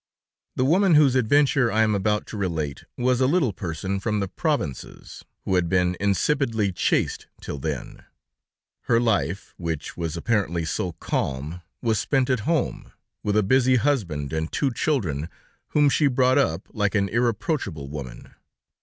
The woman whose adventure I am about to relate, was a little person from the provinces, who had been insipidly chaste till then. Her life, which was apparently so calm, was spent at home, with a busy husband and two children, whom she brought up like an irreproachable woman.